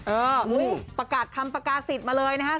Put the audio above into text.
เออประกาศคำปรากฏสิทธิ์มาเลยนะครับ